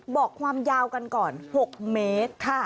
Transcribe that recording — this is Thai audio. บอกความยาวกันก่อน๖เมตรค่ะ